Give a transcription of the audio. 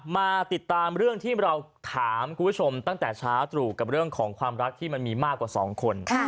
มาติดตามเรื่องที่เราถามคุณผู้ชมตั้งแต่เช้าตรู่กับเรื่องของความรักที่มันมีมากกว่า๒คน